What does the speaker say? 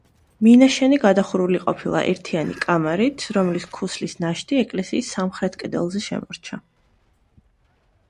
მინაშენი გადახურული ყოფილა ერთიანი კამარით, რომლის ქუსლის ნაშთი ეკლესიის სამხრეთ კედელზე შემორჩა.